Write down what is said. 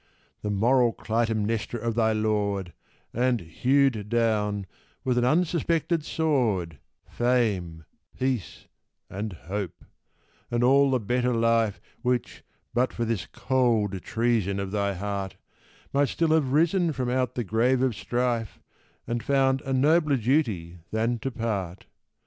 The moral Clytemnestra of thy lord, And hewed down, with an unsuspected sword, Fame, peace, and hope and all the better life Which, but for this cold treason of thy heart, Might still have risen from out the grave of strife, And found a nobler duty than to part.